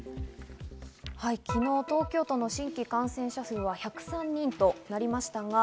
昨日、東京都の新規感染者数は１０３人となりました。